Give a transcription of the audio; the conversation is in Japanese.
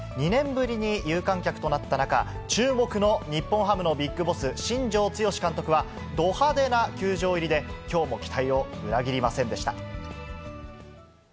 ２年ぶりに有観客となった中、注目の日本ハムのビッグボス、新庄剛志監督は、ど派手な球場入りで、きょうも期待を裏切りませんでした。